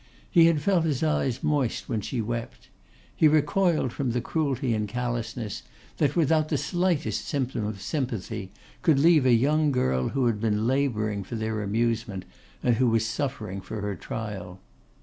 He had felt his eyes moist when she wept. He recoiled from the cruelty and the callousness that, without the slightest symptom of sympathy, could leave a young girl who had been labouring for their amusement, and who was suffering for her trial.